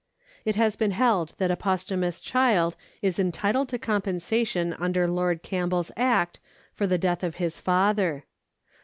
It has been held that a posthumous child is entitled to compensation under Lord Campbell's Act for the death of his father.